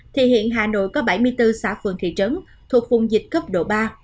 thì hiện hà nội có bảy mươi bốn xã phường thị trấn thuộc vùng dịch cấp độ ba